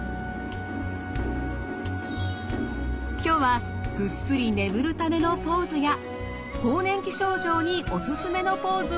今日はぐっすり眠るためのポーズや更年期症状にオススメのポーズをご紹介。